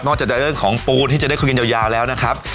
จากเรื่องของปูที่จะได้คุยกันยาวแล้วนะครับ